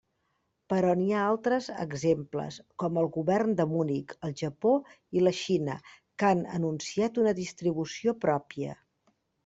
Però n'hi ha altres exemples, com el Govern de Munic, el Japó i la Xina que han anunciat una distribució pròpia.